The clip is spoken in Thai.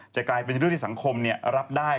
จะกลายเป็นเรื่องในสังคมเนี่ยรับได้